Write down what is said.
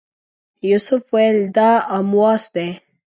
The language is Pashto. یوسف ویل دا امواس دی.